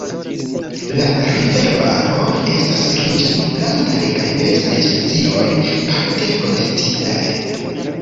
La river-valo estas riĉa je plantaj kaj bestaj specioj, parte protektitaj.